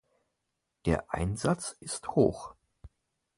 Der Einsatz ist hoch.